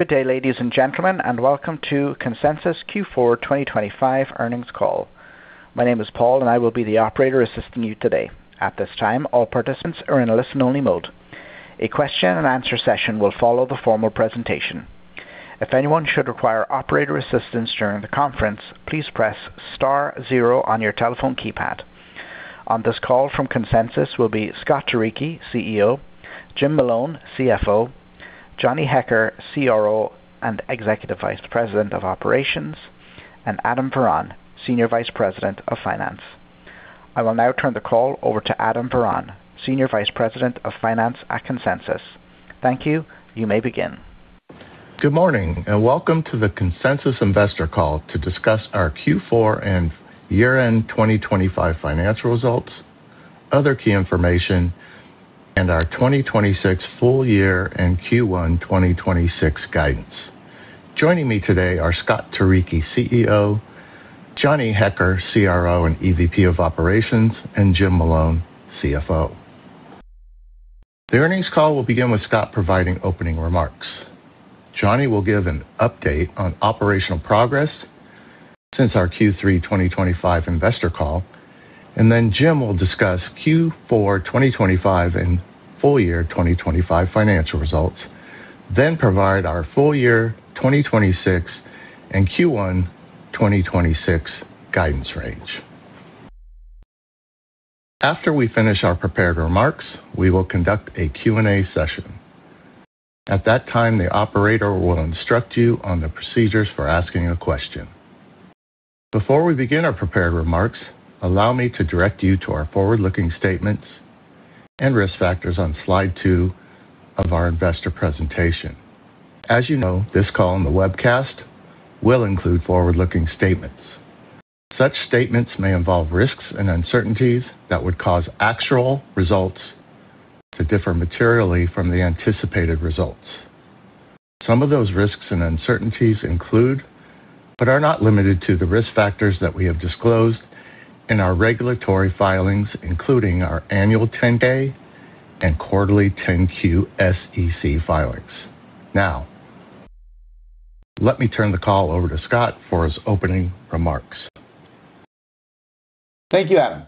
Good day, ladies and gentlemen, and welcome to Consensus Q4 2025 Earnings Call. My name is Paul, and I will be the operator assisting you today. At this time, all participants are in a listen-only mode. A question and answer session will follow the formal presentation. If anyone should require operator assistance during the conference, please press star zero on your telephone keypad. On this call from Consensus will be Scott Turicchi, CEO, Jim Malone, CFO, Johnny Hecker, CRO and Executive Vice President of Operations, and Adam Varon, Senior Vice President of Finance. I will now turn the call over to Adam Varon, Senior Vice President of Finance at Consensus. Thank you. You may begin. Good morning, and welcome to the Consensus Investor Call to discuss our Q4 and year-end 2025 financial results, other key information, and our 2026 full year and Q1 2026 guidance. Joining me today are Scott Turicchi, CEO, Johnny Hecker, CRO and EVP of Operations, and Jim Malone, CFO. The earnings call will begin with Scott providing opening remarks. Johnny will give an update on operational progress since our Q3 2025 investor call, and then Jim will discuss Q4 2025 and full year 2025 financial results, then provide our full year 2026 and Q1 2026 guidance range. After we finish our prepared remarks, we will conduct a Q&A session. At that time, the operator will instruct you on the procedures for asking a question. Before we begin our prepared remarks, allow me to direct you to our forward-looking statements and risk factors on slide 2 of our investor presentation. As you know, this call and the webcast will include forward-looking statements. Such statements may involve risks and uncertainties that would cause actual results to differ materially from the anticipated results. Some of those risks and uncertainties include, but are not limited to, the risk factors that we have disclosed in our regulatory filings, including our annual 10-K and quarterly 10-Q SEC filings. Now, let me turn the call over to Scott for his opening remarks. Thank you, Adam.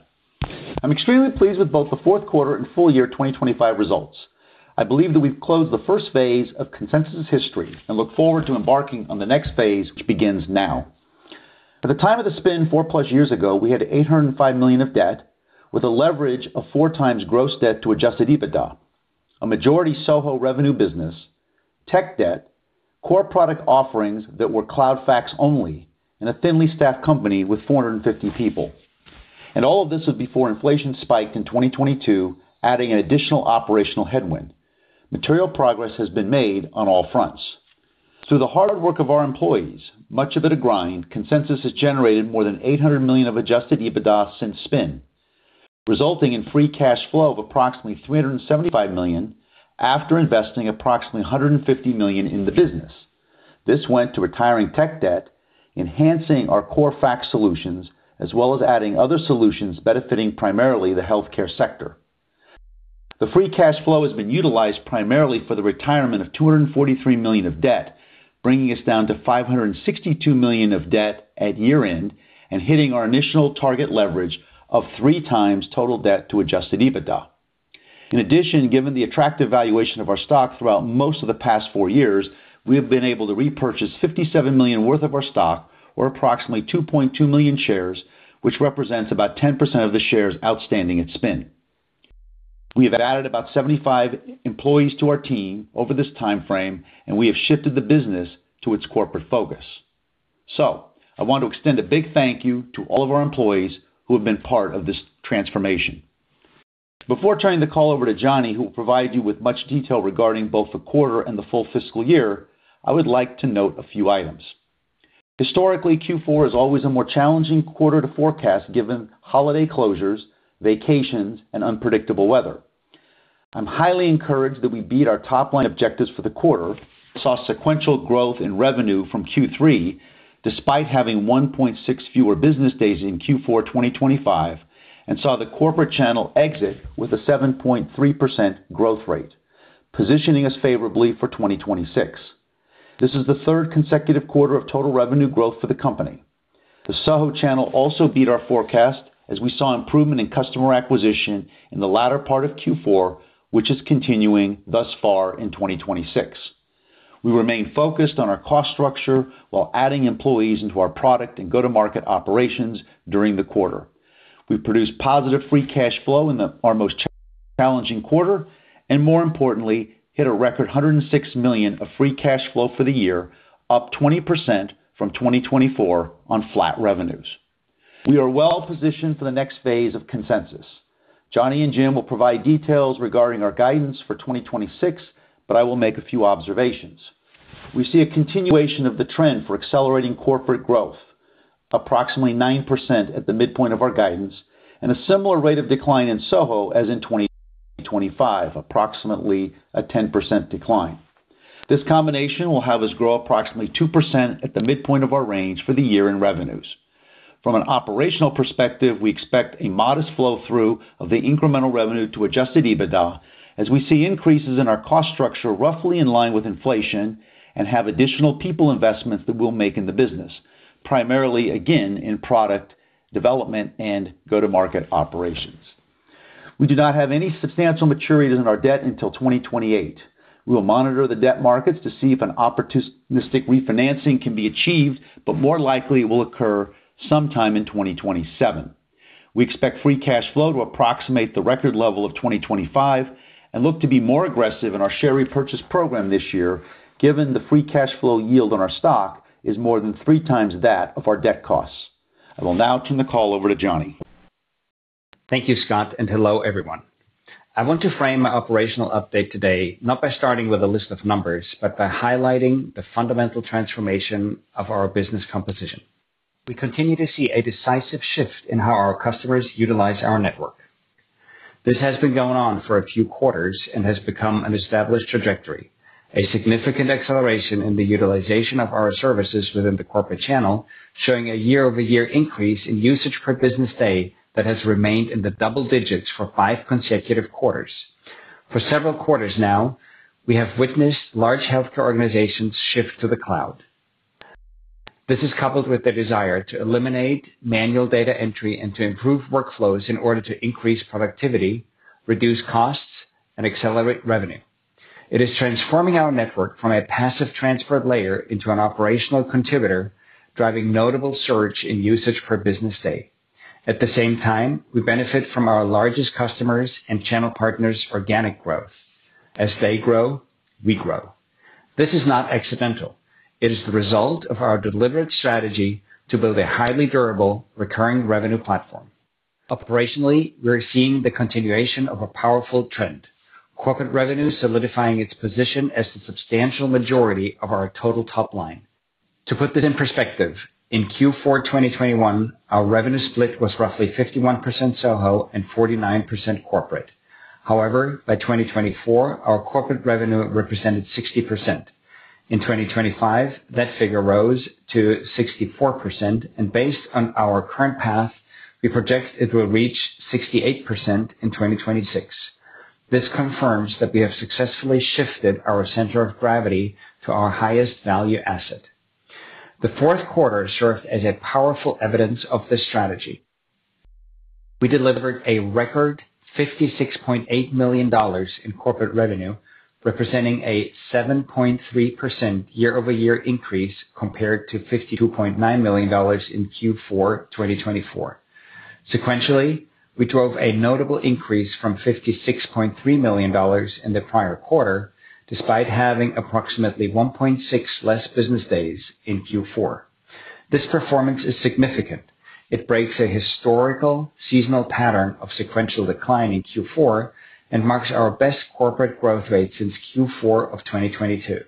I'm extremely pleased with both the fourth quarter and full year 2025 results. I believe that we've closed the first phase of Consensus history and look forward to embarking on the next phase, which begins now. At the time of the spin, 4-plus years ago, we had $805 million of debt, with a leverage of 4x gross debt to Adjusted EBITDA, a majority SoHo revenue business, tech debt, core product offerings that were cloud fax only, and a thinly staffed company with 450 people. All of this was before inflation spiked in 2022, adding an additional operational headwind. Material progress has been made on all fronts. Through the hard work of our employees, much of it a grind, Consensus has generated more than $800 million of Adjusted EBITDA since spin, resulting in free cash flow of approximately $375 million after investing approximately $150 million in the business. This went to retiring tech debt, enhancing our core fax solutions, as well as adding other solutions benefiting primarily the healthcare sector. The free cash flow has been utilized primarily for the retirement of $243 million of debt, bringing us down to $562 million of debt at year-end and hitting our initial target leverage of 3x total debt to Adjusted EBITDA. In addition, given the attractive valuation of our stock throughout most of the past 4 years, we have been able to repurchase $57 million worth of our stock, or approximately 2.2 million shares, which represents about 10% of the shares outstanding at spin. We have added about 75 employees to our team over this time frame, and we have shifted the business to its corporate focus. So I want to extend a big thank you to all of our employees who have been part of this transformation. Before turning the call over to Johnny, who will provide you with much detail regarding both the quarter and the full fiscal year, I would like to note a few items. Historically, Q4 is always a more challenging quarter to forecast, given holiday closures, vacations, and unpredictable weather. I'm highly encouraged that we beat our top-line objectives for the quarter, saw sequential growth in revenue from Q3, despite having 1.6 fewer business days in Q4 2025, and saw the corporate channel exit with a 7.3% growth rate, positioning us favorably for 2026. This is the third consecutive quarter of total revenue growth for the company. The SoHo channel also beat our forecast as we saw improvement in customer acquisition in the latter part of Q4, which is continuing thus far in 2026. We remain focused on our cost structure while adding employees into our product and go-to-market operations during the quarter. We produced positive free cash flow in our most challenging quarter, and more importantly, hit a record $106 million of free cash flow for the year, up 20% from 2024 on flat revenues. We are well positioned for the next phase of Consensus. Johnny and Jim will provide details regarding our guidance for 2026, but I will make a few observations. We see a continuation of the trend for accelerating corporate growth, approximately 9% at the midpoint of our guidance, and a similar rate of decline in SoHo as in 2025, approximately a 10% decline. This combination will have us grow approximately 2% at the midpoint of our range for the year in revenues. From an operational perspective, we expect a modest flow-through of the incremental revenue to Adjusted EBITDA, as we see increases in our cost structure roughly in line with inflation, and have additional people investments that we'll make in the business, primarily, again, in product development and go-to-market operations. We do not have any substantial maturities in our debt until 2028. We will monitor the debt markets to see if an opportunistic refinancing can be achieved, but more likely it will occur sometime in 2027. We expect free cash flow to approximate the record level of 2025, and look to be more aggressive in our share repurchase program this year, given the free cash flow yield on our stock is more than 3 times that of our debt costs. I will now turn the call over to Johnny. Thank you, Scott, and hello, everyone. I want to frame my operational update today, not by starting with a list of numbers, but by highlighting the fundamental transformation of our business composition. We continue to see a decisive shift in how our customers utilize our network. This has been going on for a few quarters and has become an established trajectory. A significant acceleration in the utilization of our services within the Corporate channel, showing a year-over-year increase in usage per business day that has remained in the double digits for five consecutive quarters. For several quarters now, we have witnessed large healthcare organizations shift to the cloud. This is coupled with the desire to eliminate manual data entry and to improve workflows in order to increase productivity, reduce costs, and accelerate revenue. It is transforming our network from a passive transfer layer into an operational contributor, driving notable surge in usage per business day. At the same time, we benefit from our largest customers and channel partners' organic growth. As they grow, we grow. This is not accidental. It is the result of our deliberate strategy to build a highly durable, recurring revenue platform. Operationally, we're seeing the continuation of a powerful trend, corporate revenue solidifying its position as the substantial majority of our total top line. To put that in perspective, in Q4 2021, our revenue split was roughly 51% SoHo and 49% corporate. However, by 2024, our corporate revenue represented 60%. In 2025, that figure rose to 64%, and based on our current path, we project it will reach 68% in 2026. This confirms that we have successfully shifted our center of gravity to our highest value asset. The fourth quarter served as a powerful evidence of this strategy. We delivered a record $56.8 million in corporate revenue, representing a 7.3% year-over-year increase, compared to $52.9 million in Q4 2024. Sequentially, we drove a notable increase from $56.3 million in the prior quarter, despite having approximately 1.6 less business days in Q4. This performance is significant. It breaks a historical seasonal pattern of sequential decline in Q4, and marks our best corporate growth rate since Q4 of 2022.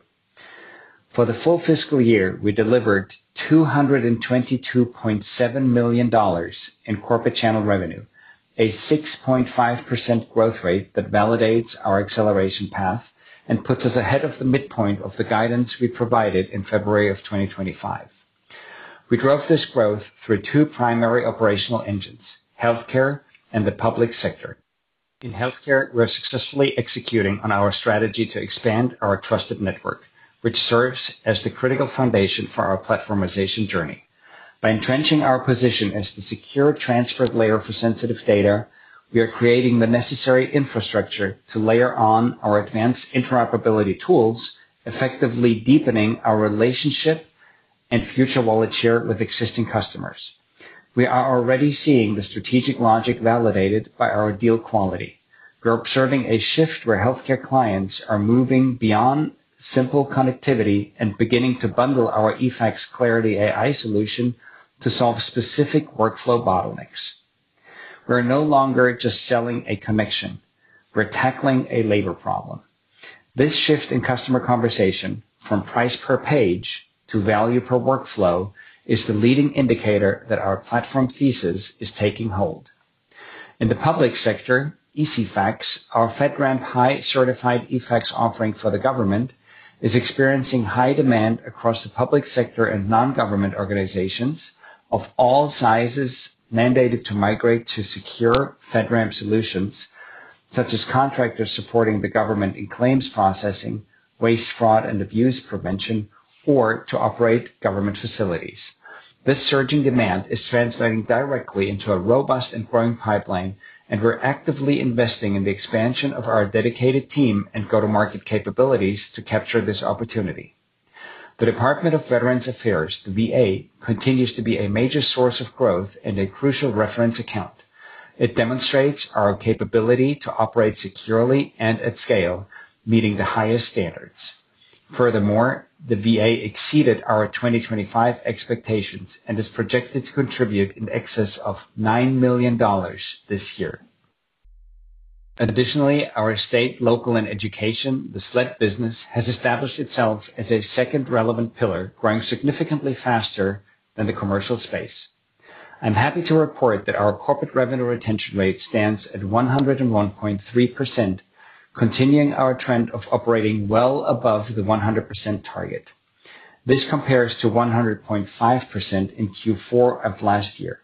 For the full fiscal year, we delivered $222.7 million in corporate channel revenue, a 6.5% growth rate that validates our acceleration path and puts us ahead of the midpoint of the guidance we provided in February of 2025. We drove this growth through two primary operational engines, healthcare and the public sector. In healthcare, we are successfully executing on our strategy to expand our trusted network, which serves as the critical foundation for our platformization journey. By entrenching our position as the secure transfer layer for sensitive data, we are creating the necessary infrastructure to layer on our advanced interoperability tools, effectively deepening our relationship and future wallet share with existing customers. We are already seeing the strategic logic validated by our deal quality. We are observing a shift where healthcare clients are moving beyond simple connectivity and beginning to bundle our eFax Clarity AI solution to solve specific workflow bottlenecks. We're no longer just selling a connection. We're tackling a labor problem. This shift in customer conversation, from price per page to value per workflow, is the leading indicator that our platform thesis is taking hold. In the public sector, ECFax, our FedRAMP High certified eFax offering for the government, is experiencing high demand across the public sector and non-government organizations of all sizes mandated to migrate to secure FedRAMP solutions, such as contractors supporting the government in claims processing, waste, fraud, and abuse prevention, or to operate government facilities. This surging demand is translating directly into a robust and growing pipeline, and we're actively investing in the expansion of our dedicated team and go-to-market capabilities to capture this opportunity. The Department of Veterans Affairs, the VA, continues to be a major source of growth and a crucial reference account. It demonstrates our capability to operate securely and at scale, meeting the highest standards. Furthermore, the VA exceeded our 2025 expectations and is projected to contribute in excess of $9 million this year. Additionally, our state, local, and education, the SLED business, has established itself as a second relevant pillar, growing significantly faster than the commercial space. I'm happy to report that our corporate revenue retention rate stands at 101.3%.... continuing our trend of operating well above the 100% target. This compares to 100.5% in Q4 of last year.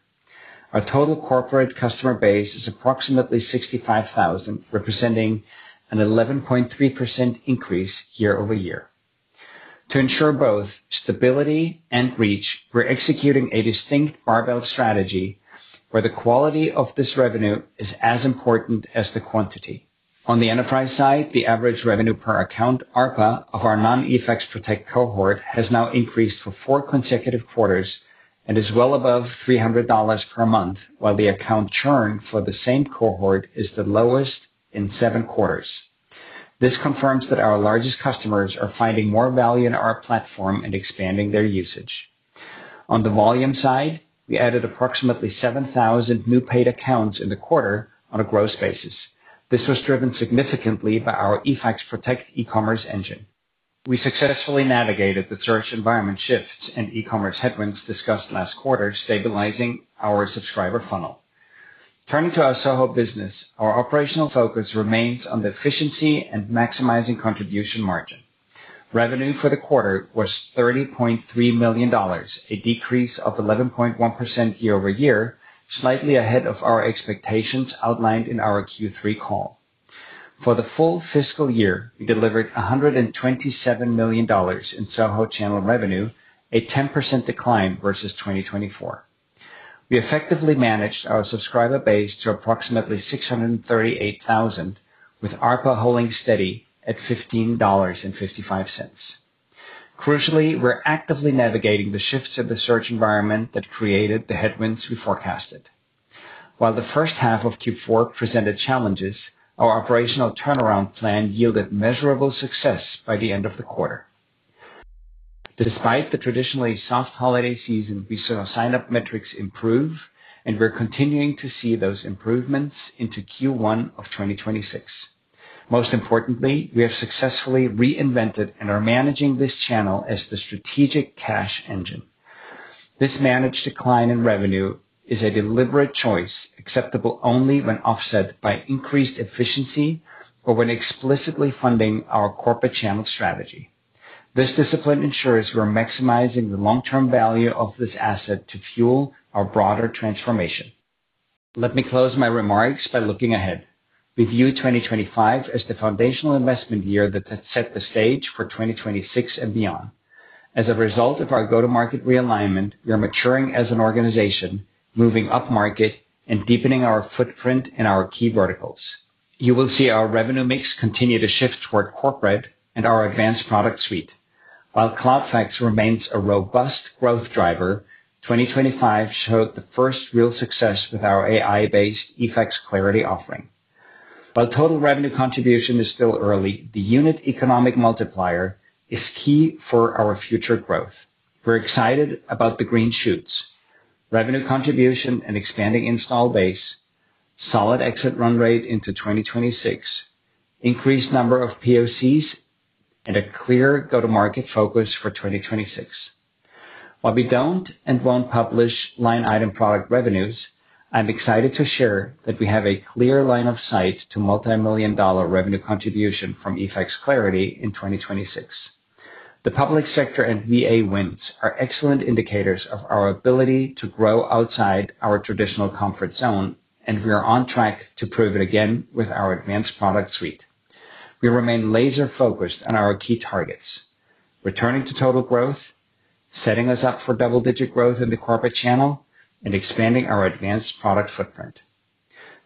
Our total corporate customer base is approximately 65,000, representing an 11.3% increase year-over-year. To ensure both stability and reach, we're executing a distinct barbell strategy, where the quality of this revenue is as important as the quantity. On the enterprise side, the average revenue per account, ARPA, of our non-eFax Protect cohort has now increased for 4 consecutive quarters and is well above $300 per month, while the account churn for the same cohort is the lowest in 7 quarters. This confirms that our largest customers are finding more value in our platform and expanding their usage. On the volume side, we added approximately 7,000 new paid accounts in the quarter on a gross basis. This was driven significantly by our eFax Protect e-commerce engine. We successfully navigated the search environment shifts and e-commerce headwinds discussed last quarter, stabilizing our subscriber funnel. Turning to our SoHo business, our operational focus remains on the efficiency and maximizing contribution margin. Revenue for the quarter was $30.3 million, a decrease of 11.1% year-over-year, slightly ahead of our expectations outlined in our Q3 call. For the full fiscal year, we delivered $127 million in SoHo channel revenue, a 10% decline versus 2024. We effectively managed our subscriber base to approximately 638,000, with ARPA holding steady at $15.55. Crucially, we're actively navigating the shifts of the search environment that created the headwinds we forecasted. While the first half of Q4 presented challenges, our operational turnaround plan yielded measurable success by the end of the quarter. Despite the traditionally soft holiday season, we saw sign-up metrics improve, and we're continuing to see those improvements into Q1 of 2026. Most importantly, we have successfully reinvented and are managing this channel as the strategic cash engine. This managed decline in revenue is a deliberate choice, acceptable only when offset by increased efficiency or when explicitly funding our corporate channel strategy. This discipline ensures we're maximizing the long-term value of this asset to fuel our broader transformation. Let me close my remarks by looking ahead. We view 2025 as the foundational investment year that has set the stage for 2026 and beyond. As a result of our go-to-market realignment, we are maturing as an organization, moving upmarket, and deepening our footprint in our key verticals. You will see our revenue mix continue to shift toward corporate and our advanced product suite. While CloudFax remains a robust growth driver, 2025 showed the first real success with our AI-based eFax Clarity offering. While total revenue contribution is still early, the unit economic multiplier is key for our future growth. We're excited about the green shoots, revenue contribution, and expanding install base, solid exit run rate into 2026, increased number of POCs, and a clear go-to-market focus for 2026. While we don't and won't publish line item product revenues, I'm excited to share that we have a clear line of sight to multimillion-dollar revenue contribution from eFax Clarity in 2026. The public sector and VA wins are excellent indicators of our ability to grow outside our traditional comfort zone, and we are on track to prove it again with our advanced product suite. We remain laser-focused on our key targets, returning to total growth, setting us up for double-digit growth in the corporate channel, and expanding our advanced product footprint.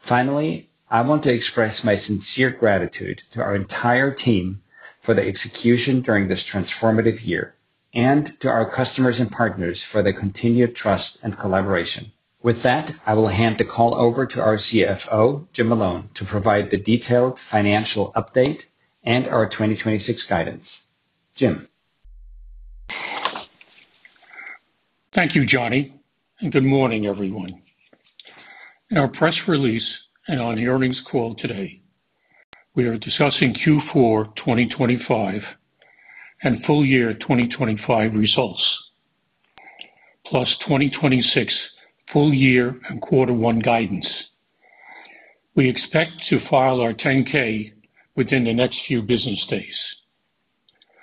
Finally, I want to express my sincere gratitude to our entire team for the execution during this transformative year, and to our customers and partners for their continued trust and collaboration. With that, I will hand the call over to our CFO, Jim Malone, to provide the detailed financial update and our 2026 guidance. Jim? Thank you, Johnny, and good morning, everyone. In our press release and on the earnings call today, we are discussing Q4 2025 and full year 2025 results, plus 2026 full year and quarter one guidance. We expect to file our 10-K within the next few business days.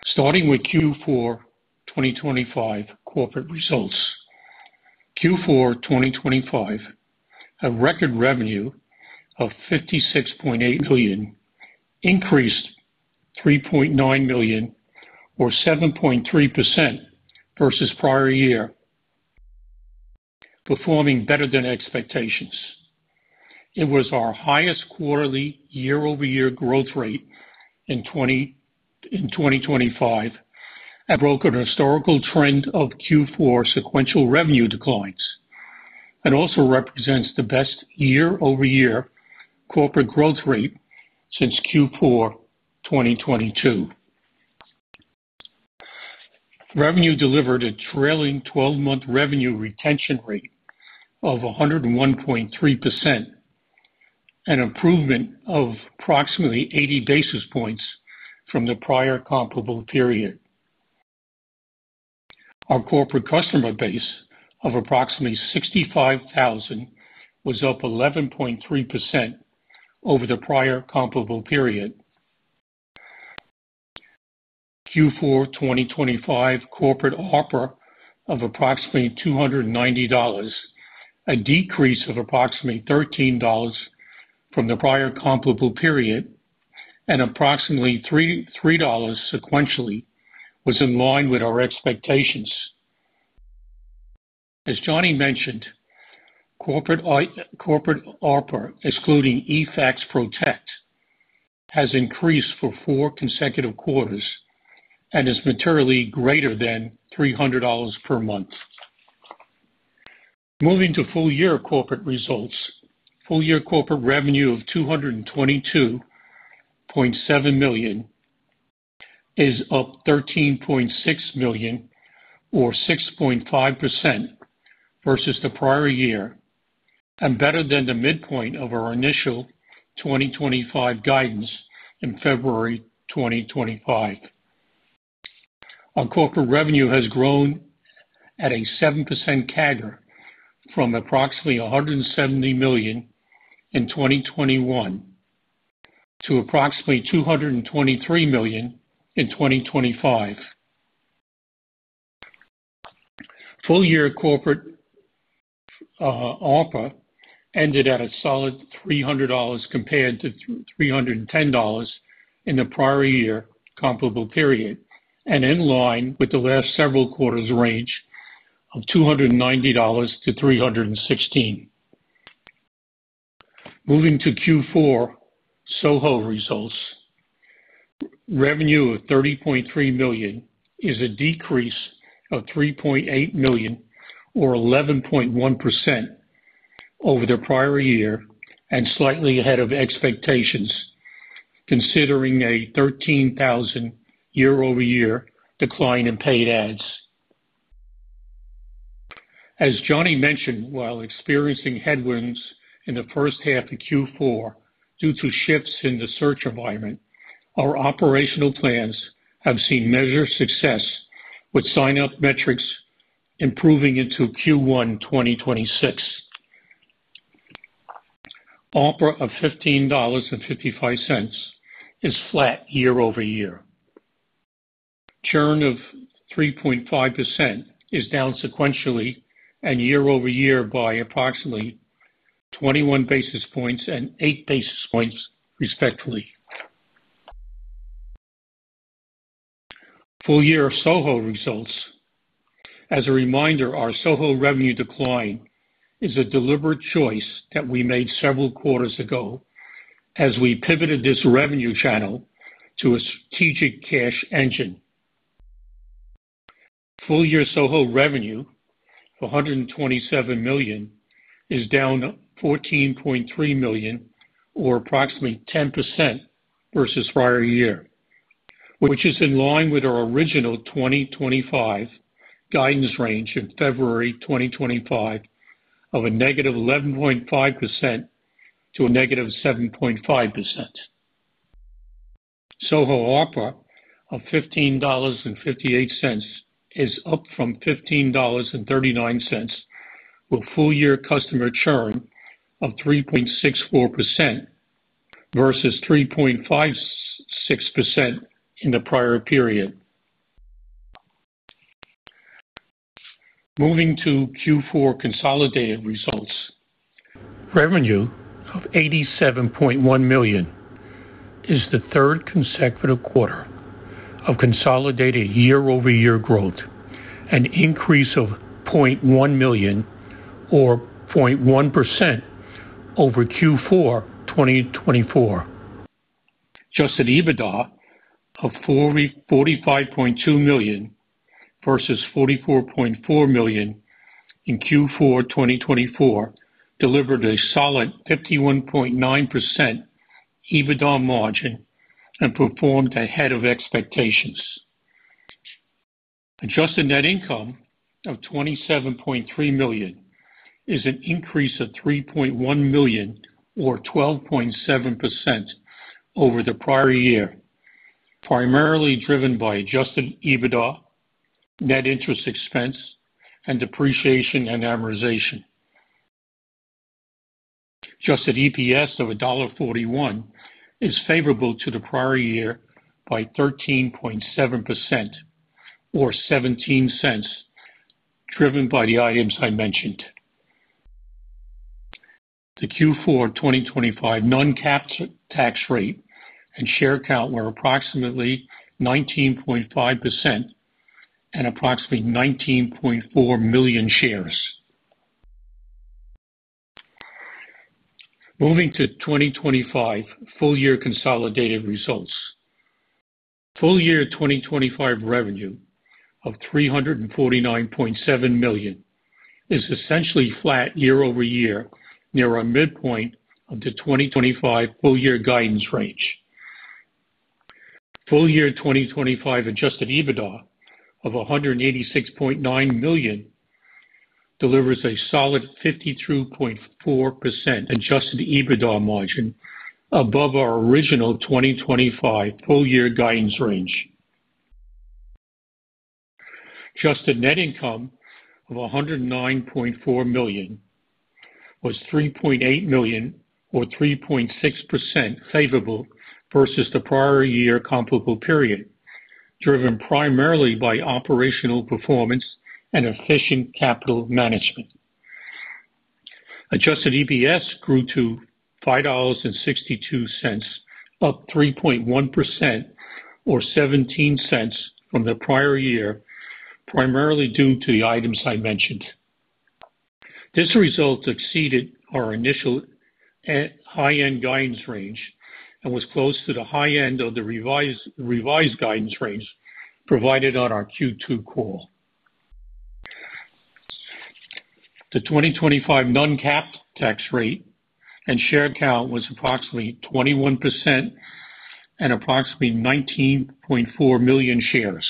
Starting with Q4 2025 corporate results. Q4 2025, a record revenue of $56.8 million, increased $3.9 million, or 7.3% versus prior year, performing better than expectations. It was our highest quarterly year-over-year growth rate in 2025, and broke a historical trend of Q4 sequential revenue declines, and also represents the best year-over-year corporate growth rate since Q4 2022. Revenue delivered a trailing twelve-month revenue retention rate of 101.3%, an improvement of approximately 80 basis points from the prior comparable period.... Our corporate customer base of approximately 65,000 was up 11.3% over the prior comparable period. Q4 2025 corporate ARPA of approximately $290, a decrease of approximately $13 from the prior comparable period, and approximately $3 sequentially was in line with our expectations. As Johnny mentioned, corporate ARPA, excluding eFax Protect, has increased for four consecutive quarters and is materially greater than $300 per month. Moving to full year corporate results. Full year corporate revenue of $222.7 million is up $13.6 million, or 6.5% versus the prior year, and better than the midpoint of our initial 2025 guidance in February 2025. Our corporate revenue has grown at a 7% CAGR from approximately $170 million in 2021 to approximately $223 million in 2025. Full year corporate ARPA ended at a solid $300 compared to $310 in the prior year comparable period, and in line with the last several quarters range of $290-$316. Moving to Q4, SoHo results. Revenue of $30.3 million is a decrease of $3.8 million, or 11.1% over the prior year, and slightly ahead of expectations, considering a 13,000 year-over-year decline in paid ads. As Johnny mentioned, while experiencing headwinds in the first half of Q4 due to shifts in the search environment, our operational plans have seen measured success, with sign-up metrics improving into Q1 2026. ARPA of $15.55 is flat year-over-year. Churn of 3.5% is down sequentially and year-over-year by approximately 21 basis points and 8 basis points, respectively. Full year SoHo results. As a reminder, our SoHo revenue decline is a deliberate choice that we made several quarters ago as we pivoted this revenue channel to a strategic cash engine. Full year SoHo revenue of $127 million is down $14.3 million, or approximately 10% versus prior year, which is in line with our original 2025 guidance range in February 2025 of a negative 11.5% to a negative 7.5%. SoHo ARPA of $15.58 is up from $15.39, with full year customer churn of 3.64% versus 3.56% in the prior period. Moving to Q4 consolidated results. Revenue of $87.1 million is the third consecutive quarter of consolidated year-over-year growth, an increase of $0.1 million or 0.1% over Q4 2024. Adjusted EBITDA of $45.2 million versus $44.4 million in Q4 2024, delivered a solid 51.9% EBITDA margin and performed ahead of expectations. Adjusted net income of $27.3 million is an increase of $3.1 million, or 12.7% over the prior year, primarily driven by adjusted EBITDA, net interest expense, and depreciation and amortization. Adjusted EPS of $1.41 is favorable to the prior year by 13.7% or 17 cents, driven by the items I mentioned. The Q4 2025 non-GAAP tax rate and share count were approximately 19.5% and approximately 19.4 million shares. Moving to 2025 full year consolidated results. Full year 2025 revenue of $349.7 million is essentially flat year-over-year, near our midpoint of the 2025 full year guidance range. Full year 2025 adjusted EBITDA of $186.9 million delivers a solid 52.4% adjusted EBITDA margin above our original 2025 full year guidance range. Adjusted net income of $109.4 million was $3.8 million, or 3.6%, favorable versus the prior year comparable period, driven primarily by operational performance and efficient capital management. Adjusted EPS grew to $5.62, up 3.1% or 17 cents from the prior year, primarily due to the items I mentioned. This result exceeded our initial high-end guidance range and was close to the high end of the revised guidance range provided on our Q2 call. The 2025 non-cap tax rate and share count was approximately 21% and approximately 19.4 million shares.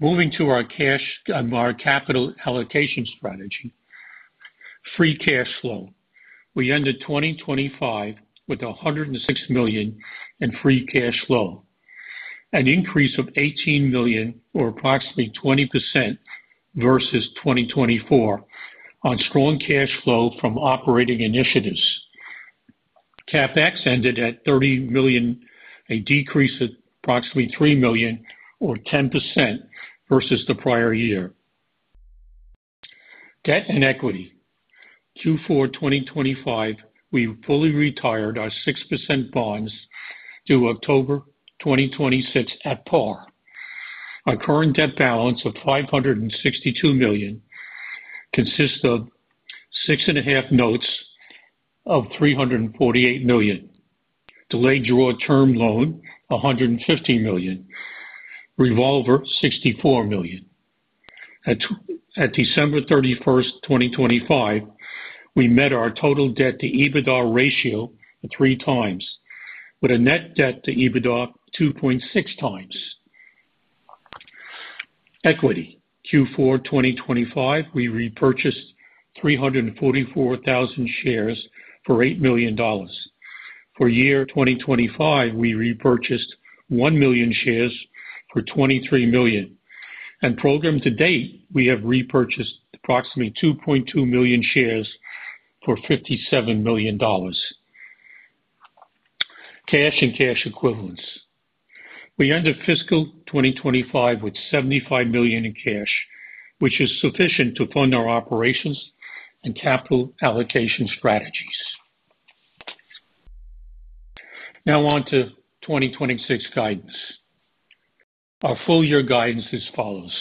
Moving to our cash, our capital allocation strategy. Free cash flow. We ended 2025 with $106 million in free cash flow, an increase of $18 million or approximately 20% versus 2024 on strong cash flow from operating initiatives. CapEx ended at $30 million, a decrease of approximately $3 million or 10% versus the prior year. Debt and equity. Q4 2025, we fully retired our 6% bonds due October 2026 at par. Our current debt balance of $562 million consists of 6.5% notes of $348 million, delayed draw term loan, $150 million, revolver, $64 million. At December 31st, 2025, we met our total debt to EBITDA ratio 3 times, with a net debt to EBITDA 2.6 times. Equity. Q4 2025, we repurchased 344,000 shares for $8 million. For year 2025, we repurchased 1 million shares for $23 million, and program to date, we have repurchased approximately 2.2 million shares for $57 million. Cash and cash equivalents. We ended fiscal 2025 with $75 million in cash, which is sufficient to fund our operations and capital allocation strategies. Now on to 2026 guidance. Our full year guidance as follows: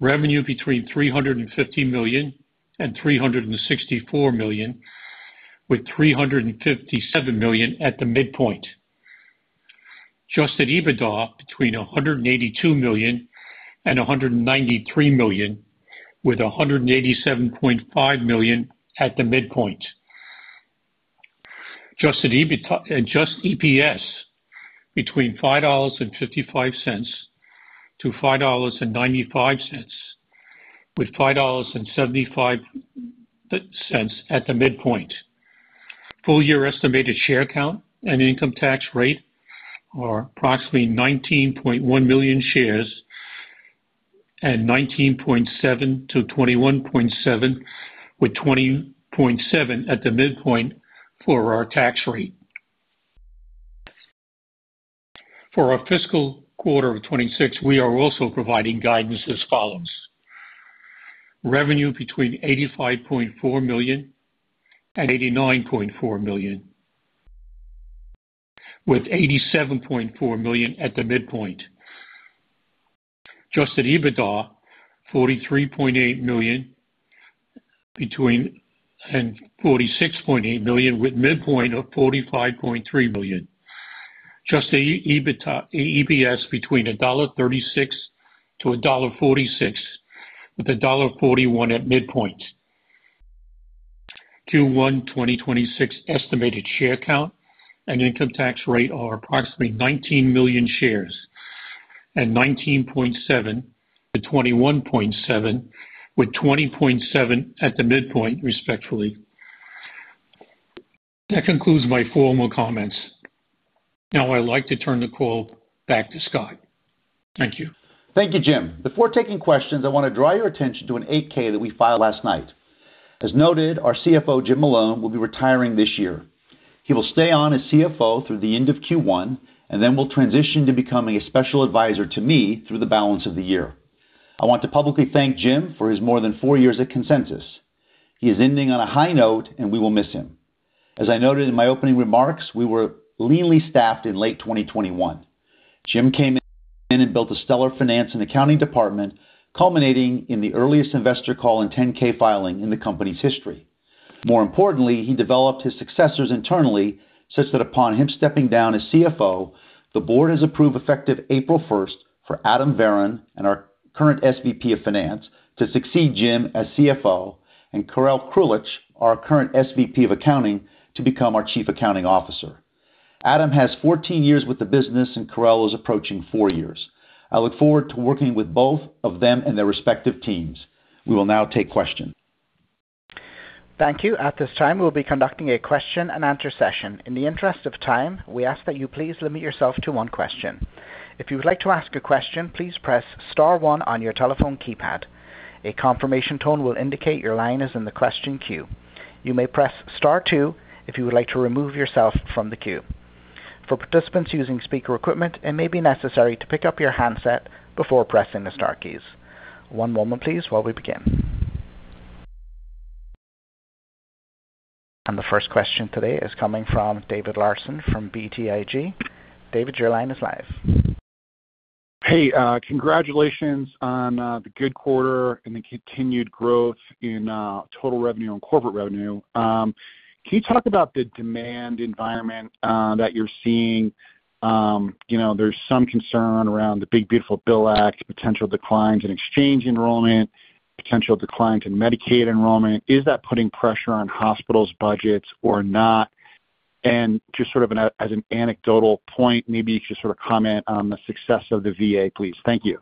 Revenue between $350 million and $364 million, with $357 million at the midpoint. Adjusted EBITDA between $182 million and $193 million, with $187.5 million at the midpoint. Adjusted EPS between $5.55-$5.95, with $5.75 cents at the midpoint. Full year estimated share count and income tax rate are approximately 19.1 million shares and 19.7%-21.7%, with 20.7% at the midpoint for our tax rate. For our fiscal quarter of 2026, we are also providing guidance as follows: Revenue between $85.4 million and $89.4 million, with $87.4 million at the midpoint. Adjusted EBITDA $43.8 million-$46.8 million, with midpoint of $45.3 million. Adjusted EPS between $1.36-$1.46, with $1.41 at midpoint. Q1 2026 estimated share count and income tax rate are approximately 19 million shares and 19.7%-21.7%, with 20.7% at the midpoint, respectively. That concludes my formal comments. Now I'd like to turn the call back to Scott. Thank you. Thank you, Jim. Before taking questions, I want to draw your attention to an 8-K that we filed last night. As noted, our CFO, Jim Malone, will be retiring this year. He will stay on as CFO through the end of Q1, and then will transition to becoming a special advisor to me through the balance of the year. I want to publicly thank Jim for his more than four years at Consensus. He is ending on a high note, and we will miss him. As I noted in my opening remarks, we were leanly staffed in late 2021. Jim came in and built a stellar finance and accounting department, culminating in the earliest investor call in 10-K filing in the company's history. More importantly, he developed his successors internally, such that upon him stepping down as CFO, the board has approved, effective April first, for Adam Varon and our current SVP of finance to succeed Jim as CFO, and Karel Krulich, our current SVP of accounting, to become our Chief Accounting Officer. ... Adam has 14 years with the business, and Karel is approaching 4 years. I look forward to working with both of them and their respective teams. We will now take questions. Thank you. At this time, we'll be conducting a question-and-answer session. In the interest of time, we ask that you please limit yourself to one question. If you would like to ask a question, please press star one on your telephone keypad. A confirmation tone will indicate your line is in the question queue. You may press star two if you would like to remove yourself from the queue. For participants using speaker equipment, it may be necessary to pick up your handset before pressing the star keys. One moment please while we begin. And the first question today is coming from David Larsen from BTIG. David, your line is live. Hey, congratulations on the good quarter and the continued growth in total revenue and corporate revenue. Can you talk about the demand environment that you're seeing? You know, there's some concern around the Big Beautiful Bill Act, potential declines in exchange enrollment, potential declines in Medicaid enrollment. Is that putting pressure on hospitals' budgets or not? And just sort of as an anecdotal point, maybe just sort of comment on the success of the VA, please. Thank you.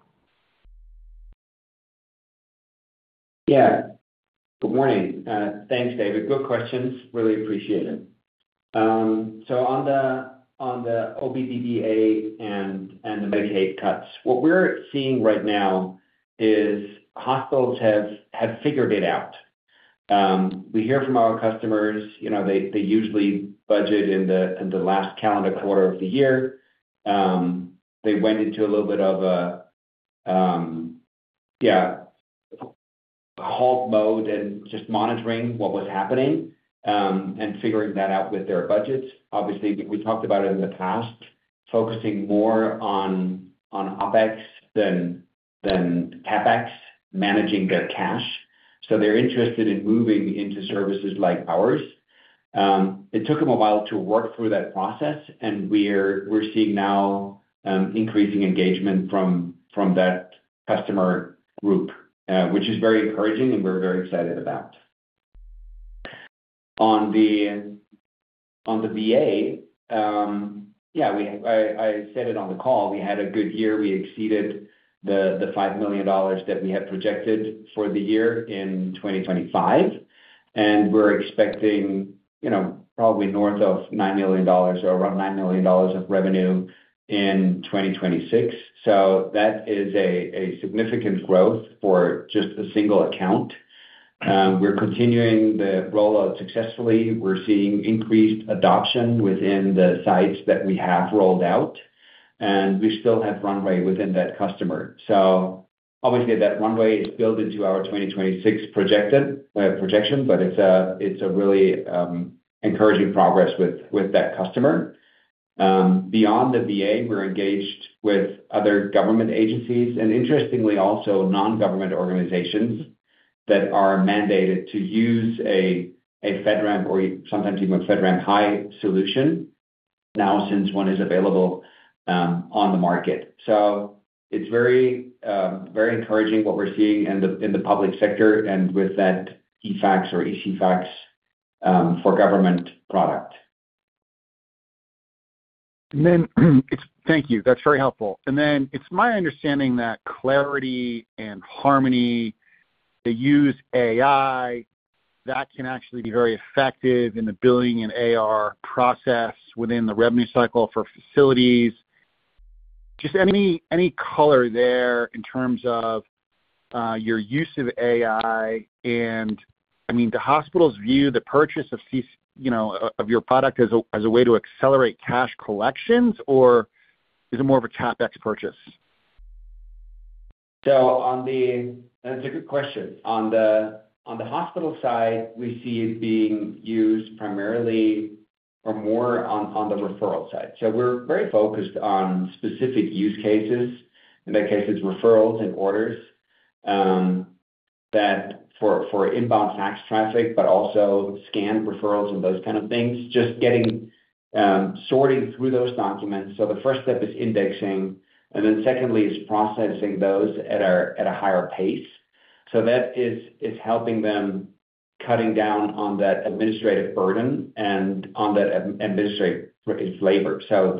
Yeah. Good morning. Thanks, David. Good questions. Really appreciate it. So on the BBBA and the Medicaid cuts, what we're seeing right now is hospitals have figured it out. We hear from our customers, you know, they usually budget in the last calendar quarter of the year. They went into a little bit of a halt mode and just monitoring what was happening and figuring that out with their budgets. Obviously, we talked about it in the past, focusing more on OpEx than CapEx, managing their cash. So they're interested in moving into services like ours. It took them a while to work through that process, and we're seeing now increasing engagement from that customer group, which is very encouraging and we're very excited about. On the VA, yeah, we said it on the call, we had a good year. We exceeded the $5 million that we had projected for the year in 2025, and we're expecting, you know, probably north of $9 million or around $9 million of revenue in 2026. So that is a significant growth for just a single account. We're continuing the rollout successfully. We're seeing increased adoption within the sites that we have rolled out, and we still have runway within that customer. So obviously, that runway is built into our 2026 projected projection, but it's a really encouraging progress with that customer. Beyond the VA, we're engaged with other government agencies and, interestingly, also non-government organizations that are mandated to use a FedRAMP or sometimes even FedRAMP High solution now, since one is available, on the market. So it's very, very encouraging what we're seeing in the public sector and with that eFax or ECFax for government product. And then, thank you. That's very helpful. And then it's my understanding that Clarity and Harmony, they use AI, that can actually be very effective in the billing and AR process within the revenue cycle for facilities. Just any color there in terms of your use of AI, and I mean, do hospitals view the purchase of, you know, of your product as a way to accelerate cash collections, or is it more of a CapEx purchase? That's a good question. On the hospital side, we see it being used primarily or more on the referral side. So we're very focused on specific use cases. In that case, it's referrals and orders that for inbound fax traffic, but also scan referrals and those kind of things, just getting sorting through those documents. So the first step is indexing, and then secondly is processing those at a higher pace. So that is helping them cutting down on that administrative burden and on that administrative labor. So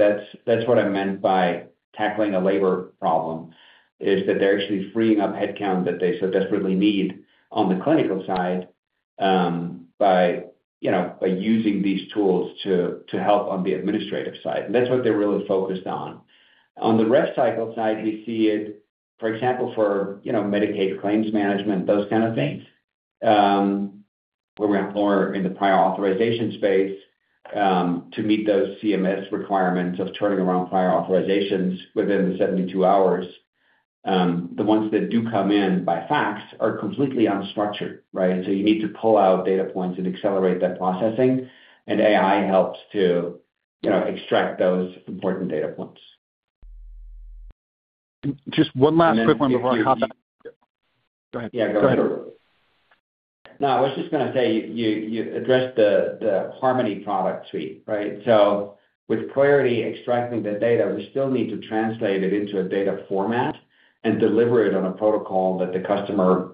that's what I meant by tackling a labor problem, is that they're actually freeing up headcount that they so desperately need on the clinical side, by you know by using these tools to help on the administrative side. That's what they're really focused on. On the rev cycle side, we see it, for example, for, you know, Medicaid claims management, those kind of things, where we're more in the prior authorization space, to meet those CMS requirements of turning around prior authorizations within the 72 hours. The ones that do come in by fax are completely unstructured, right? And so you need to pull out data points and accelerate that processing, and AI helps to, you know, extract those important data points. Just one last quick one before I hop out. Go ahead. Yeah, go ahead. No, I was just gonna say, you addressed the Harmony product suite, right? So with Clarity extracting the data, we still need to translate it into a data format and deliver it on a protocol that the customer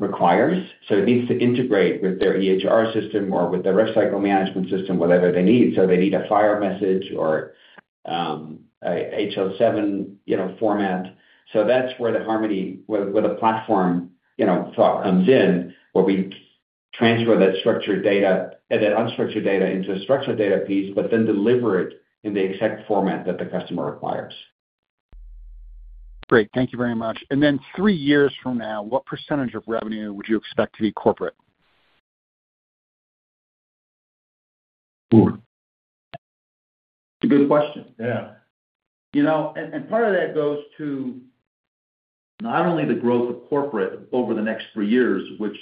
requires. So it needs to integrate with their EHR system or with the revenue cycle management system, whatever they need. So they need a FHIR message or a HL7, you know, format. So that's where the Harmony, where the platform, you know, throughput comes in, where we transfer that structured data and that unstructured data into a structured data piece, but then deliver it in the exact format that the customer requires. Great. Thank you very much. Then three years from now, what percentage of revenue would you expect to be corporate? Ooh, it's a good question. Yeah. You know, and part of that goes to not only the growth of Corporate over the next three years, which,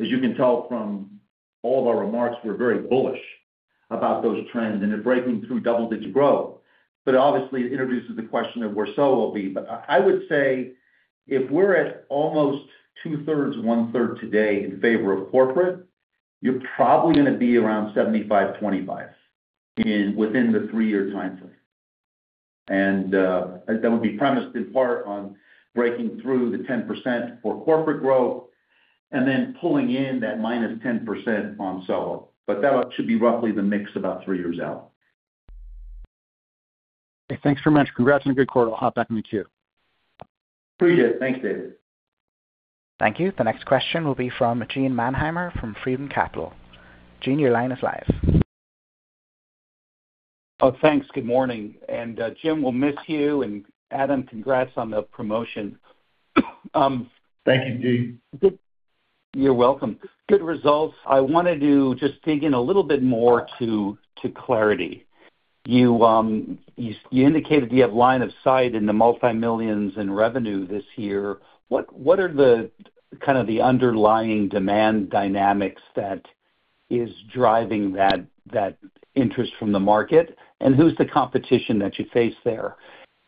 as you can tell from all of our remarks, we're very bullish about those trends, and they're breaking through double-digit growth. But obviously, it introduces the question of where SoHo will be. But I would say if we're at almost two-thirds, one-third today in favor of Corporate, you're probably gonna be around 75, 25 within the three-year time frame. And that would be premised in part on breaking through the 10% for Corporate growth and then pulling in that -10% on SoHo. But that should be roughly the mix about three years out. Thanks very much. Congrats on a good quarter. I'll hop back in the queue. Appreciate it. Thanks, David. Thank you. The next question will be from Gene Mannheimer from Freedom Capital. Gene, your line is live. Oh, thanks. Good morning. Jim, we'll miss you, and Adam, congrats on the promotion. Thank you, Gene. You're welcome. Good results. I wanted to just dig in a little bit more to Clarity. You, you indicated you have line of sight in the multimillions in revenue this year. What are the kind of the underlying demand dynamics that is driving that interest from the market, and who's the competition that you face there?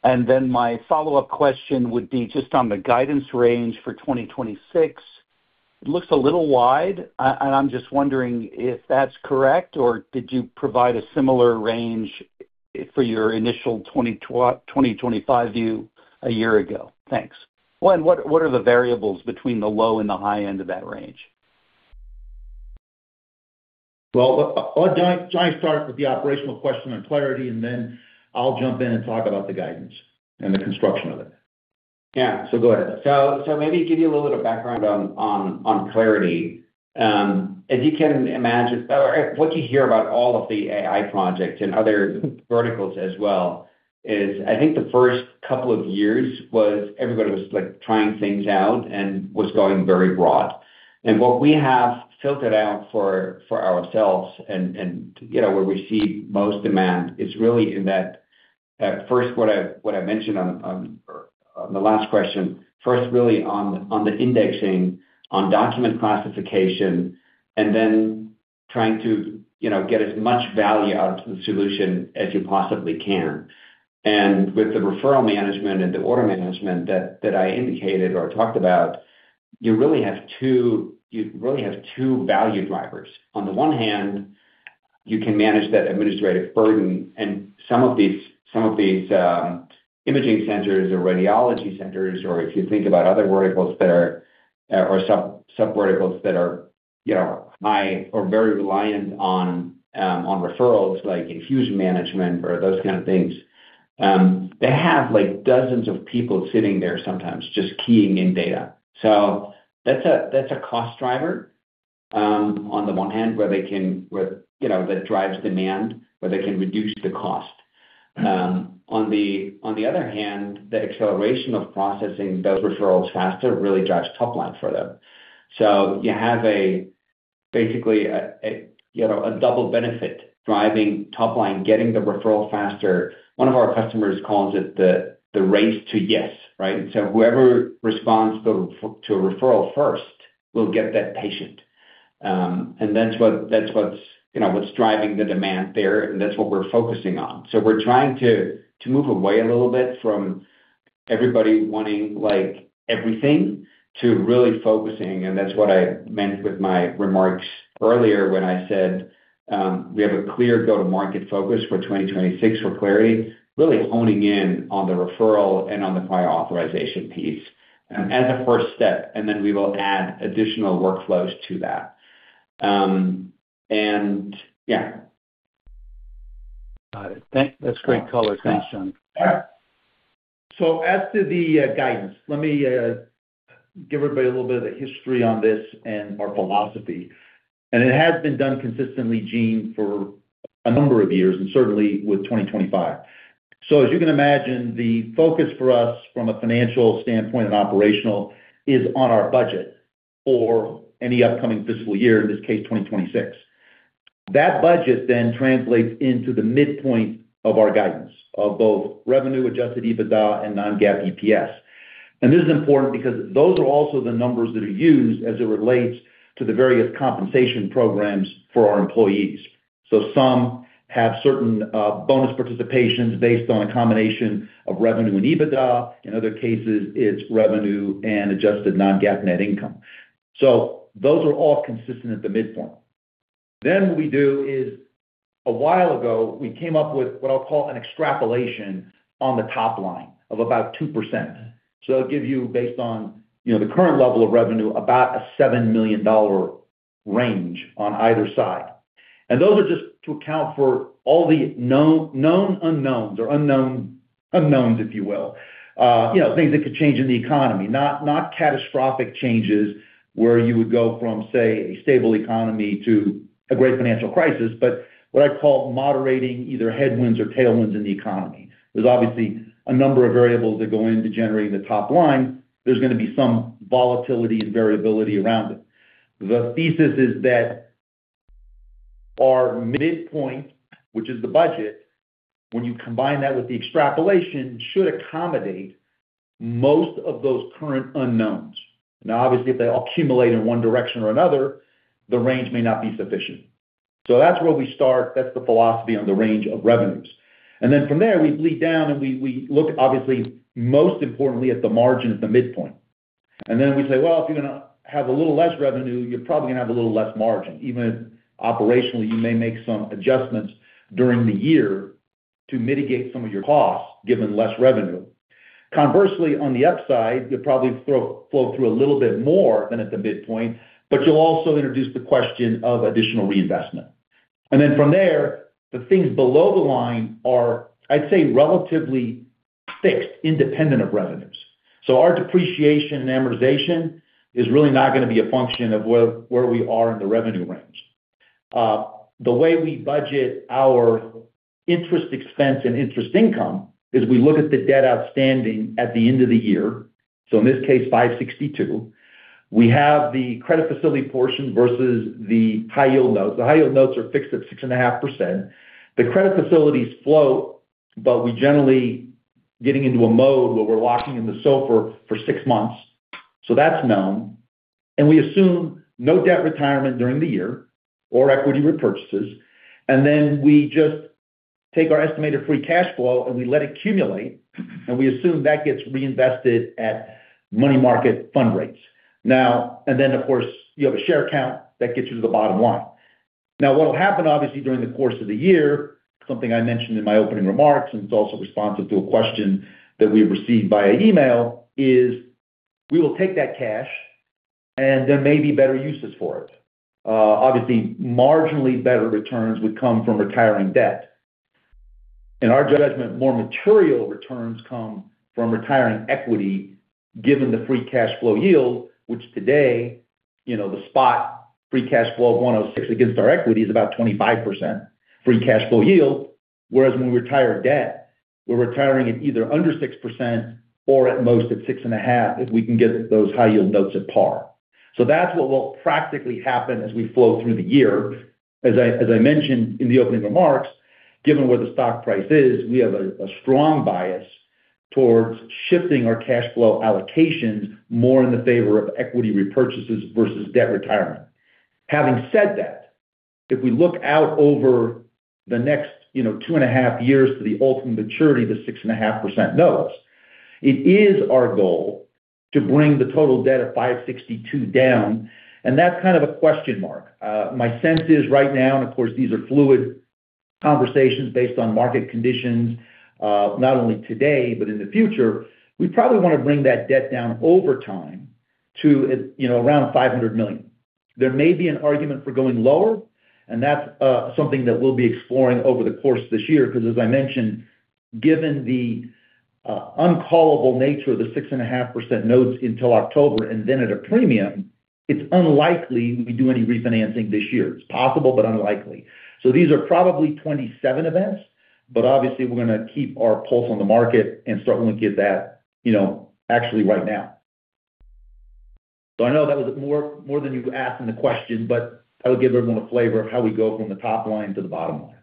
And then my follow-up question would be just on the guidance range for 2026. It looks a little wide, and I'm just wondering if that's correct, or did you provide a similar range for your initial 2025 view a year ago? Thanks. Well, and what are the variables between the low and the high end of that range? Well, why don't I start with the operational question on Clarity, and then I'll jump in and talk about the guidance and the construction of it. Yeah. Go ahead. So, maybe give you a little bit of background on Clarity. As you can imagine, or what you hear about all of the AI projects and other verticals as well, I think the first couple of years was everybody was, like, trying things out and going very broad. And what we have filtered out for ourselves and, you know, where we see most demand is really in that first, what I mentioned on the last question, first, really on the indexing, on document classification, and then trying to, you know, get as much value out of the solution as you possibly can. And with the referral management and the order management that I indicated or talked about, you really have two value drivers. On the one hand, you can manage that administrative burden and some of these, some of these, imaging centers or radiology centers, or if you think about other verticals that are, or sub, sub verticals that are, you know, high or very reliant on, on referrals, like infusion management or those kind of things, they have, like, dozens of people sitting there sometimes just keying in data. So that's a, that's a cost driver, on the one hand, where they can, where, you know, that drives demand, where they can reduce the cost. On the, on the other hand, the acceleration of processing those referrals faster really drives top line for them. So you have a, basically a, a, you know, a double benefit driving top line, getting the referral faster. One of our customers calls it the, the race to yes, right? And so whoever responds to a referral first will get that patient. And that's what's, you know, what's driving the demand there, and that's what we're focusing on. So we're trying to move away a little bit from everybody wanting, like, everything to really focusing, and that's what I meant with my remarks earlier when I said, we have a clear go-to-market focus for 2026 for Clarity, really honing in on the referral and on the prior authorization piece, as a first step, and then we will add additional workflows to that. Got it. That's great color. Thanks, John. So as to the guidance, let me give everybody a little bit of the history on this and our philosophy. It has been done consistently, Gene, for a number of years, and certainly with 2025. So as you can imagine, the focus for us from a financial standpoint and operational is on our budget for any upcoming fiscal year, in this case, 2026. That budget then translates into the midpoint of our guidance of both revenue, adjusted EBITDA and non-GAAP EPS. This is important because those are also the numbers that are used as it relates to the various compensation programs for our employees. So some have certain bonus participations based on a combination of revenue and EBITDA. In other cases, it's revenue and adjusted non-GAAP net income. So those are all consistent at the midpoint. Then what we do is, a while ago, we came up with what I'll call an extrapolation on the top line of about 2%. So it'll give you, based on, you know, the current level of revenue, about a $7 million range on either side. And those are just to account for all the known, known unknowns or unknown unknowns, if you will. You know, things that could change in the economy. Not, not catastrophic changes, where you would go from, say, a stable economy to a great financial crisis, but what I call moderating either headwinds or tailwinds in the economy. There's obviously a number of variables that go into generating the top line. There's gonna be some volatility and variability around it. The thesis is that our midpoint, which is the budget, when you combine that with the extrapolation, should accommodate most of those current unknowns. Now, obviously, if they all accumulate in one direction or another, the range may not be sufficient. So that's where we start. That's the philosophy on the range of revenues. And then from there, we bleed down, and we look, obviously, most importantly, at the margin at the midpoint. And then we say, "Well, if you're gonna have a little less revenue, you're probably gonna have a little less margin," even if operationally, you may make some adjustments during the year to mitigate some of your costs, given less revenue. Conversely, on the upside, you'll probably flow through a little bit more than at the midpoint, but you'll also introduce the question of additional reinvestment. Then from there, the things below the line are, I'd say, relatively fixed, independent of revenues. So our depreciation and amortization is really not gonna be a function of where we are in the revenue range. The way we budget our interest expense and interest income is we look at the debt outstanding at the end of the year, so in this case, $562. We have the credit facility portion versus the high yield notes. The high yield notes are fixed at 6.5%. The credit facilities flow, but we generally getting into a mode where we're locking in the SOFR for six months, so that's known. And we assume no debt retirement during the year or equity repurchases. And then we just take our estimated free cash flow, and we let it accumulate, and we assume that gets reinvested at money market fund rates. Now. And then, of course, you have a share count that gets you to the bottom line. Now, what will happen, obviously, during the course of the year, something I mentioned in my opening remarks, and it's also responsive to a question that we've received via email, is we will take that cash, and there may be better uses for it. Obviously, marginally better returns would come from retiring debt. In our judgment, more material returns come from retiring equity, given the free cash flow yield, which today, you know, the spot free cash flow of $106 against our equity is about 25% free cash flow yield, whereas when we retire debt, we're retiring at either under 6% or at most at 6.5%, if we can get those high yield notes at par. So that's what will practically happen as we flow through the year. As I, as I mentioned in the opening remarks, given where the stock price is, we have a, a strong bias towards shifting our cash flow allocations more in the favor of equity repurchases versus debt retirement. Having said that, if we look out over the next, you know, 2.5 years to the ultimate maturity, the 6.5% notes, it is our goal to bring the total debt of $562 million down, and that's kind of a question mark. My sense is right now, and of course, these are fluid conversations based on market conditions, not only today, but in the future, we probably wanna bring that debt down over time to at, you know, around $500 million. There may be an argument for going lower, and that's, something that we'll be exploring over the course of this year, because as I mentioned, given the, uncallable nature of the 6.5% notes until October, and then at a premium, it's unlikely we do any refinancing this year. It's possible, but unlikely. So these are probably 27 events, but obviously, we're gonna keep our pulse on the market and certainly get that, you know, actually right now. So I know that was more than you asked in the question, but that would give everyone a flavor of how we go from the top line to the bottom line.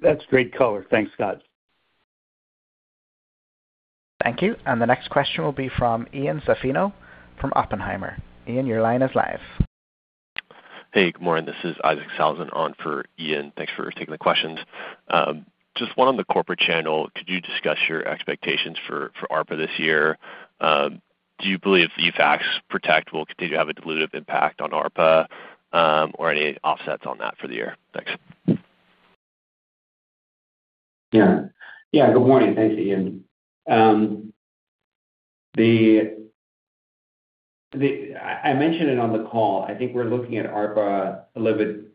That's great color. Thanks, Scott. Thank you. The next question will be from Ian Zaffino from Oppenheimer. Ian, your line is live. Hey, good morning. This is Isaac Saulson on for Ian. Thanks for taking the questions. Just one on the corporate channel. Could you discuss your expectations for, for ARPA this year? Do you believe the eFax Protect will continue to have a dilutive impact on ARPA, or any offsets on that for the year? Thanks. Yeah. Yeah, good morning. Thanks, Ian. I mentioned it on the call. I think we're looking at ARPA a little bit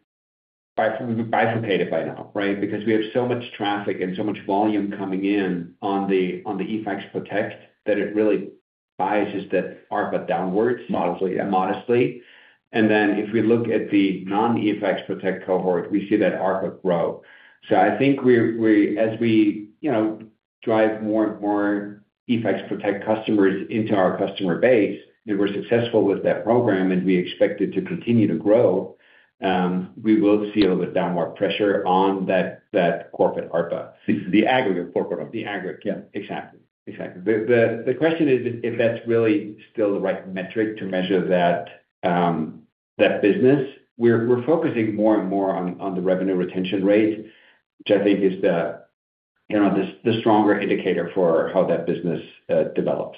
bifurcated by now, right? Because we have so much traffic and so much volume coming in on the eFax Protect that it really biases the ARPA downwards- Modestly, yeah. Modestly. Then, if we look at the non-eFax Protect cohort, we see that ARPA grow. So I think as we, you know, drive more and more eFax Protect customers into our customer base, if we're successful with that program, and we expect it to continue to grow, we will see a little bit downward pressure on that corporate ARPA. The aggregate Corporate. The aggregate. Yeah. Exactly. Exactly. The question is if that's really still the right metric to measure that business. We're focusing more and more on the revenue retention rate, which I think is the, you know, stronger indicator for how that business develops.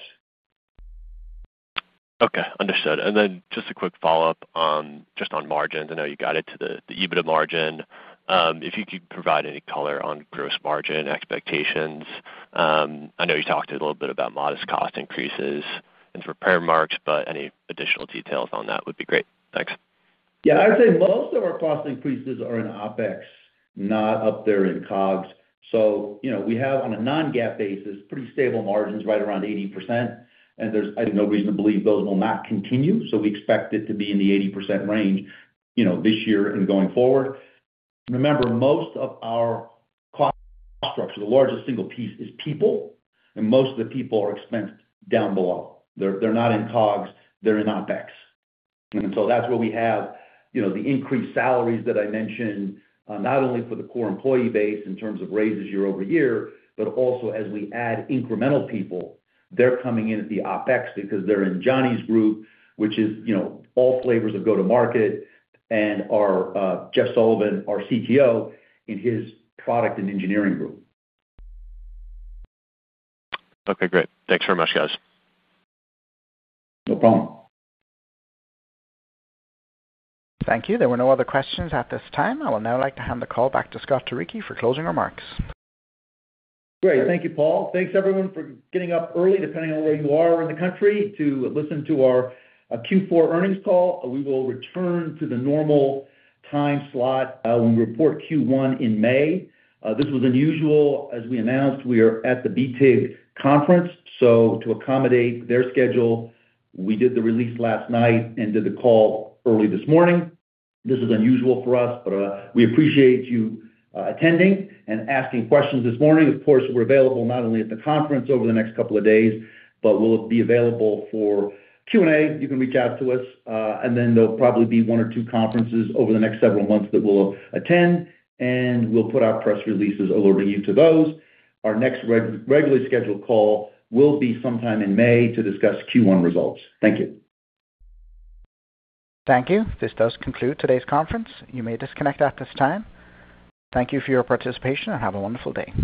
Okay. Understood. And then just a quick follow-up. Just on margins, I know you got it to the EBITDA margin. If you could provide any color on gross margin expectations. I know you talked a little bit about modest cost increases and impairments, but any additional details on that would be great. Thanks. Yeah, I'd say most of our cost increases are in OpEx, not up there in COGS. So, you know, we have, on a non-GAAP basis, pretty stable margins right around 80%, and there's, I have no reason to believe those will not continue. So we expect it to be in the 80% range, you know, this year and going forward. Remember, most of our cost structure, the largest single piece is people, and most of the people are expensed down below. They're, they're not in COGS, they're in OpEx. And so that's where we have, you know, the increased salaries that I mentioned, not only for the core employee base in terms of raises year over year, but also as we add incremental people. They're coming in at the OpEx because they're in Johnny's group, which is, you know, all flavors of go-to-market and our Jeff Sullivan, our CTO, in his product and engineering group. Okay, great. Thanks very much, guys. No problem. Thank you. There were no other questions at this time. I will now like to hand the call back to Scott Turicchi for closing remarks. Great. Thank you, Paul. Thanks, everyone, for getting up early, depending on where you are in the country, to listen to our Q4 earnings call. We will return to the normal time slot when we report Q1 in May. This was unusual. As we announced, we are at the BTIG conference, so to accommodate their schedule, we did the release last night and did the call early this morning. This is unusual for us, but we appreciate you attending and asking questions this morning. Of course, we're available not only at the conference over the next couple of days, but we'll be available for Q&A. You can reach out to us and then there'll probably be one or two conferences over the next several months that we'll attend, and we'll put our press releases over you to those. Our next regularly scheduled call will be sometime in May to discuss Q1 results. Thank you. Thank you. This does conclude today's conference. You may disconnect at this time. Thank you for your participation, and have a wonderful day.